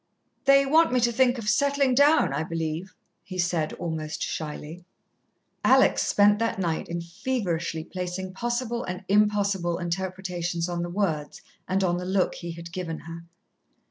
"They want me to think of settling down, I believe," he said, almost shyly. Alex spent that night in feverishly placing possible and impossible interpretations on the words, and on the look he had given her.